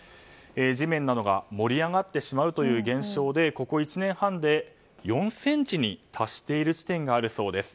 地面などが盛り上がってしまうという現象でここ１年半で４ｃｍに達している地点があるそうです。